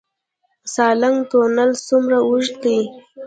سالنګ تونل څومره اوږد دی؟